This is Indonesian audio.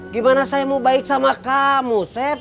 gimana saya mau baik sama kamu